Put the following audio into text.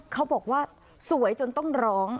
เขาบอกว่าสวยจนต้องร้อง